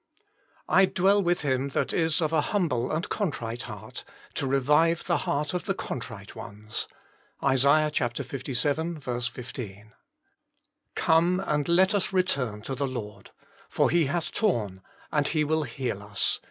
I dwell with him that is of a humble and contrite heart, to revive the heart of the contrite ones." ISA. Ivii. 15. Gome, and let us return to the Lord : for He hath torn, and He will heal UB.